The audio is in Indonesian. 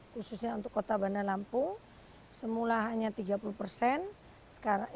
khususnya untuk kota bandar lampung semula hanya tiga puluh persen